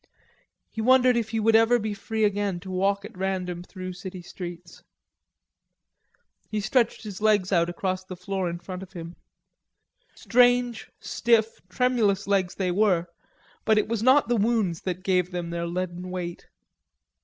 He wondered if he would ever be free again to walk at random through city streets. He stretched his legs out across the floor in front of him; strange, stiff, tremulous legs they were, but it was not the wounds that gave them their leaden weight.